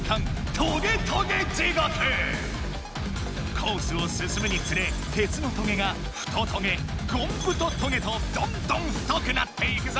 コースを進むにつれ鉄のトゲが「ふとトゲ」「ゴンぶとトゲ」とどんどん太くなっていくぞ！